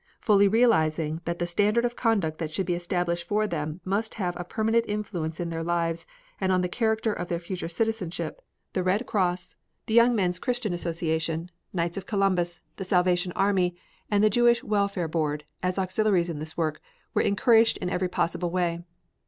Fully realizing that the standard of conduct that should be established for them must have a permanent influence in their lives and on the character of their future citizenship, the Red Cross, the Young Men's Christian Association, Knights of Columbus, the Salvation Army, and the Jewish Welfare Board, as auxiliaries in this work, were encouraged in every possible way.